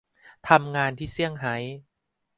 ทำงานที่ เซี่ยงไฮ้